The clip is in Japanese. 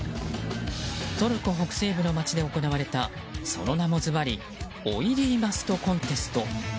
トルコ北西部の街で行われたその名も、ずばりオイリー・マストコンテスト。